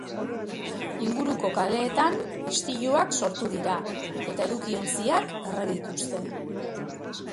Inguruko kaleetan istiluak sortu dira eta edukiontziak erre dituzte.